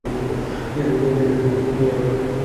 জানিস তুই আসার আগে কী হয়েছে?